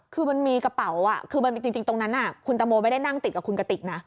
คือมันมีกระเป๋าคือจริงตรงนั้นคุณตังโมไม่ได้นั่งติดกับคุณกติกนะ